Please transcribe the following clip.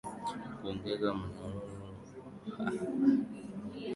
Kuongeza mnyororo wa thamani katika kilimo biashara na sekta binafsi